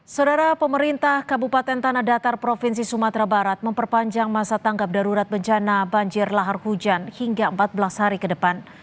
saudara pemerintah kabupaten tanah datar provinsi sumatera barat memperpanjang masa tanggap darurat bencana banjir lahar hujan hingga empat belas hari ke depan